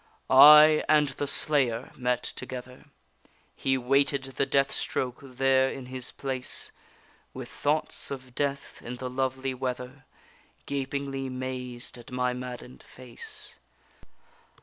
I and the slayer met together, He waited the death stroke there in his place, With thoughts of death, in the lovely weather, Gapingly mazed at my madden'd face.